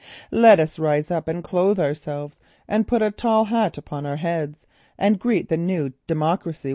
Let us rather rise up and clothe ourselves, and put a tall hat upon our heads and do homage to the new Democracy.